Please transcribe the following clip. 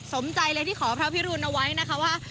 สมใจเลยที่ขอพระพิรุณเอาไว้นะคะว่า